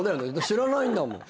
知らないんだもん。